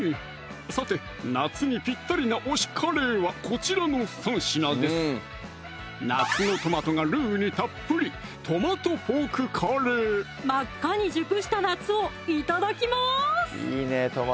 さて夏にぴったりな推しカレーはこちらの３品です夏のトマトがルーにたっぷり真っ赤に熟した夏をいただきます！